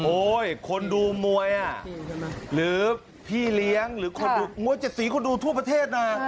คนดูมวยหรือพี่เลี้ยงหรือคนดูมวย๗สีคนดูทั่วประเทศนะ